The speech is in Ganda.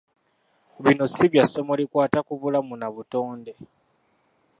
Bino si bya ssomo likwata ku bulamu na butonde.